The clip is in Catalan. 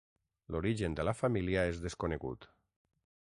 L'origen de la família és desconegut.